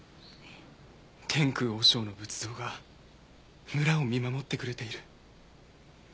天空和尚の仏像が村を見守ってくれている。